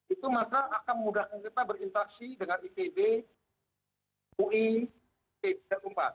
itu maka akan memudahkan kita berinteraksi dengan ipb ui dan umpa